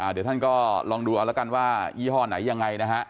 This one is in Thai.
เดี๋ยวท่านก็ลองดูเอาละกันว่ายี่ห้อไหนยังไงนะฮะ